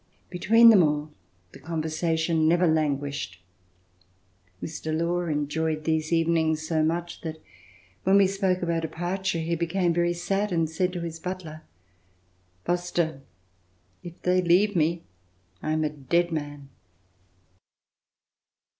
Between them all, the conversa tion never languished. Mr. Law enjoyed these even ings so much that when we spoke of our departure, he became very sad and said to his butler, ''Foster, if they leave me, I am a dead man."